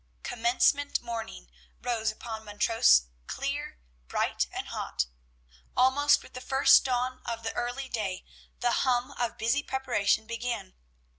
Commencement morning rose upon Montrose clear, bright, and hot. Almost with the first dawn of the early day the hum of busy preparation began.